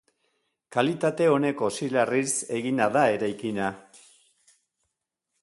Kalitate oneko silarriz egina da eraikina.